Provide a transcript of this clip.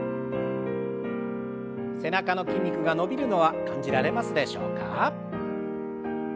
背中の筋肉が伸びるのは感じられますでしょうか。